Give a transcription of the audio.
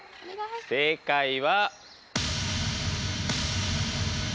正解は。